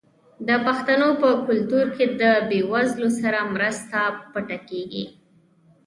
د پښتنو په کلتور کې د بې وزلو سره مرسته پټه کیږي.